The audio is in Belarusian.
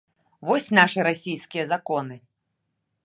Вось нашы расійскія законы!